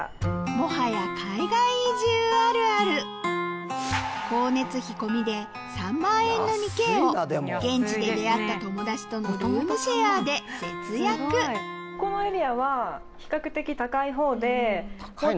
もはや海外移住あるある光熱費込みで３万円の２Ｋを現地で出会った友達とのルームシェアで節約３部屋あって３万円で。